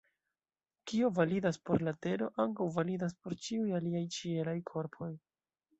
Kio validas por la Tero, ankaŭ validas por ĉiuj aliaj ĉielaj korpoj.